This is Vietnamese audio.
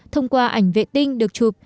thông qua ảnh vệ tinh được chụp